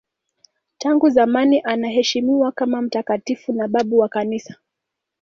Tangu zamani anaheshimiwa kama mtakatifu na babu wa Kanisa.